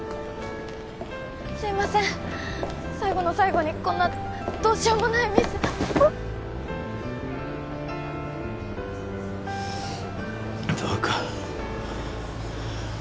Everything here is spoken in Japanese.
すいません最後の最後にこんなどうしようもないミスバカ